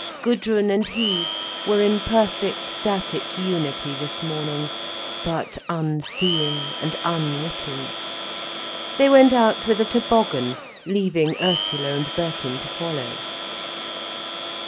Gudrun and he were in perfect static unity this morning, but unseeing and unwitting. They went out with a toboggan, leaving Ursula and Birkin to follow.